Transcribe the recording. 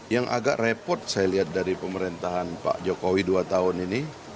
yang agak repot saya lihat dari pemerintahan pak jokowi dua tahun ini